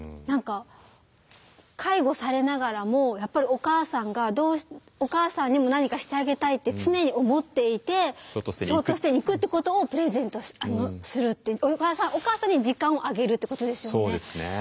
何か介護されながらもやっぱりお母さんがどうお母さんにも何かしてあげたいって常に思っていてショートステイに行くってことをプレゼントするってお母さんに時間をあげるってことですよね。